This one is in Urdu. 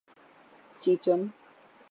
چیچن